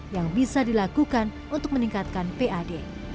yang bisa dilakukan untuk meningkatkan pad